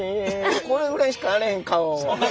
これぐらいしかあれへん顔。